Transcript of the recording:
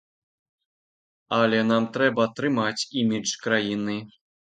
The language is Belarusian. Але нам трэба трымаць імідж краіны.